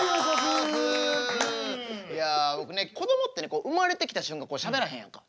いや僕ねこどもってね生まれてきた瞬間しゃべらへんやんか。